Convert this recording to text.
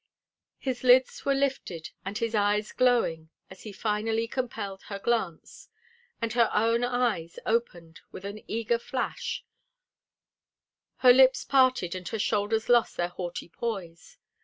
His lids were lifted and his eyes glowing as he finally compelled her glance, and her own eyes opened with an eager flash; her lips parted and her shoulders lost their haughty poise.